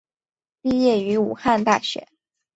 毕业于武汉大学。